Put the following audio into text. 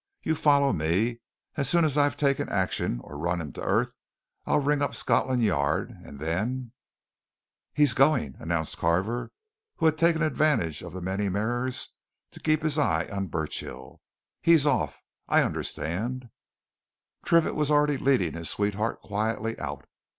You follow me? As soon as I've taken action, or run him to earth, I'll ring up Scotland Yard, and then " "He's going," announced Carver, who had taken advantage of the many mirrors to keep his eye on Burchill. "He's off! I understand " Triffitt was already leading his sweetheart quietly out.